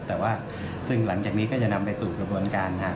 แต่ว่าซึ่งหลังจากนี้ก็จะนำไปสู่กระบวนการนะครับ